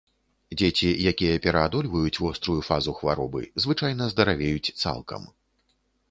Дзеці, якія пераадольваюць вострую фазу хваробы, звычайна здаравеюць цалкам.